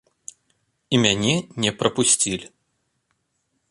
І мяне не прапусцілі.